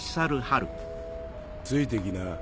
ついて来な。